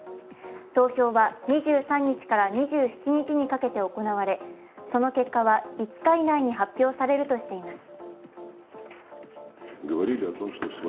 投票は２３日から２７日にかけて行われその結果は５日以内に発表されるとしています。